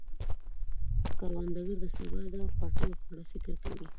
کروندګر د سبا د پټیو په اړه فکر کوي